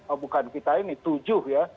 oh bukan kita ini tujuh ya